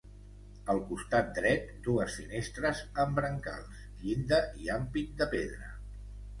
Al costat dret, dues finestres amb brancals, llinda i ampit de pedra.